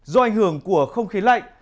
do ảnh hưởng của không khí lạnh